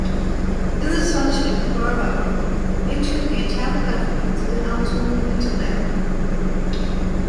In this function, it was borrowed into the Italic alphabets and ultimately into Latin.